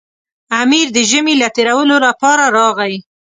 امیر د ژمي له تېرولو لپاره راغی.